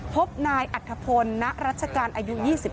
พบนายอัธพลณรัชการอายุ๒๙